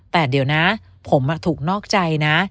แต่เดี๋ยวนะผมถูกนอกใจนะ